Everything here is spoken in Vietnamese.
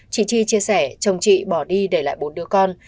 chị chi chia sẻ chồng chị bỏ đi để lại bốn đứa con